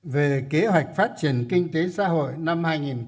về kế hoạch phát triển kinh tế xã hội năm hai nghìn hai mươi